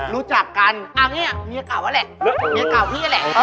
รู้จักกันอ้าวเนี่ยเมียเก่านั่นแหละเมียเก่าพี่นั่นแหละ